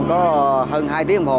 gọi như là cũng có hơn hai tiếng hôm hồ